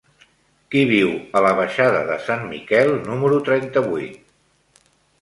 Qui viu a la baixada de Sant Miquel número trenta-vuit?